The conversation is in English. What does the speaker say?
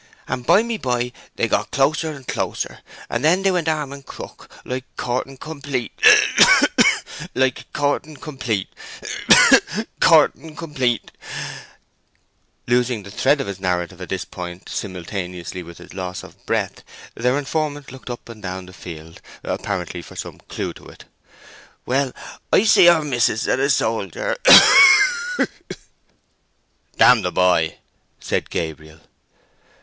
And bymeby they got closer and closer, and then they went arm in crook, like courting complete—hok hok! like courting complete—hok!—courting complete—" Losing the thread of his narrative at this point simultaneously with his loss of breath, their informant looked up and down the field apparently for some clue to it. "Well, I see our mis'ess and a soldier—a ha a wk!" "Damn the boy!" said Gabriel.